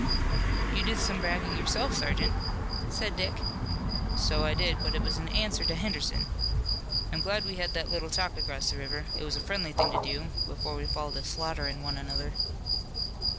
"You did some bragging yourself, sergeant," said Dick. "So I did, but it was in answer to Henderson. I'm glad we had that little talk across the river. It was a friendly thing to do, before we fall to slaughterin' one another."